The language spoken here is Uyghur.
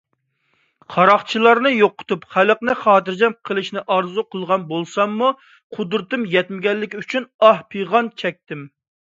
قاراقچىلارنى يوقىتىپ، خەلقنى خاتىرجەم قىلىشنى ئارزۇ قىلغان بولساممۇ، قۇدرىتىم يەتمىگەنلىكى ئۈچۈن ئاھ - پىغان چەكتىم.